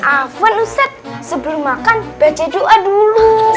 afun ustadz sebelum makan baca doa dulu